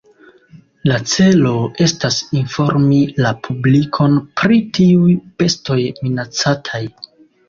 La celo estas informi la publikon pri tiuj bestoj minacataj.